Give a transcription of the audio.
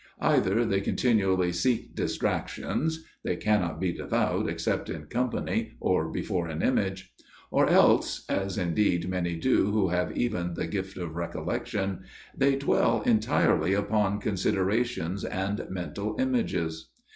Either they continually seek distractions ; they cannot be devout except in company or before an image ; or else as indeed many do who have even the gift of recollection they dwell entirely upon considerations and mental images.